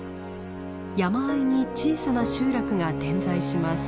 山あいに小さな集落が点在します。